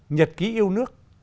nhật ký yêu nước